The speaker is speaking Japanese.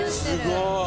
すごい！